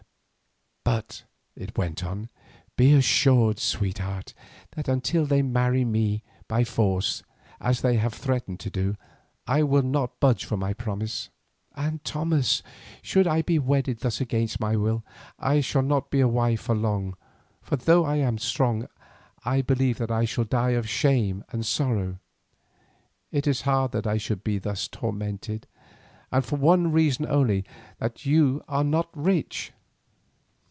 "But," it went on, "be assured, sweetheart, that unless they marry me by force, as they have threatened to do, I will not budge from my promise. And, Thomas, should I be wedded thus against my will, I shall not be a wife for long, for though I am strong I believe that I shall die of shame and sorrow. It is hard that I should be thus tormented, and for one reason only, that you are not rich.